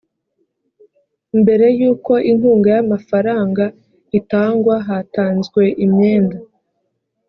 mbere y uko inkunga y amafaranga itangwa hatanzwe imyenda